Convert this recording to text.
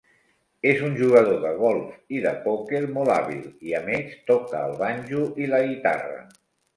És un jugador de golf i de pòquer molt hàbil, i a més toca el banjo i la guitarra.